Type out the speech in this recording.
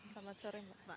selamat sore mbak